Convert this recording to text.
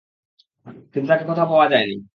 কিন্তু তাকে কোথাও খুঁজে পাওয়া যায়নি।